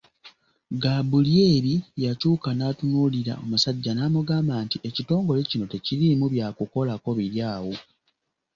Gaabulyeri yakyuka n’atunuulira omusajja n’amugamba nti, “Ekitongole kino tekiriimu bya kukolako biri awo.